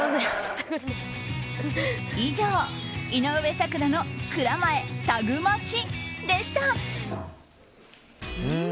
以上、井上咲楽の蔵前、タグマチでした。